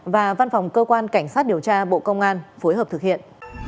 và văn phòng cơ quan cảnh sát điều tra bộ công an phối hợp thực hiện